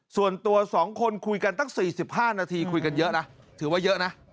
ส่วนตัว๒คนคุยกันตั้ง๔๕นาทีคุยกันเยอะนะถือว่าเยอะนะ